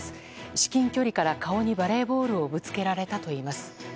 至近距離から顔にバレーボールをぶつけられたといいます。